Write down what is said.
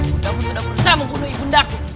ibundamu sudah bersama membunuh ibundaku